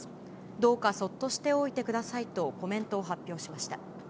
どうかそっとしておいてくださいとコメントを発表しました。